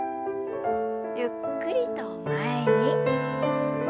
ゆっくりと前に。